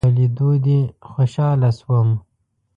په ليدو دې خوشحاله شوم